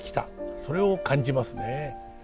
それを感じますね。